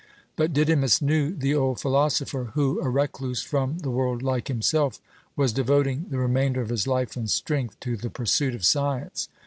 But Didymus knew the old philosopher, who, a recluse from the world like himself, was devoting the remainder of his life and strength to the pursuit of science.